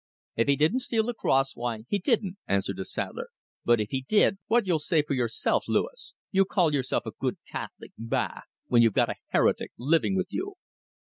"If he didn't steal the cross, why, he didn't," answered the saddler; "but if he did, what'll you say for yourself, Louis? You call yourself a good Catholic bah! when you've got a heretic living with you."